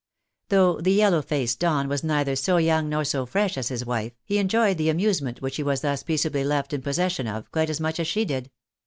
Though the yellow faced Don was neither so young nor so fresh as his wife, he enjoyed the amusement which he was thus peaceably left in possession of, quite as much as she did.